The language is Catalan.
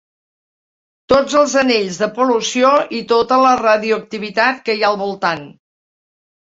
Tots els anells de pol·lució i tota la radioactivitat que hi ha al voltant.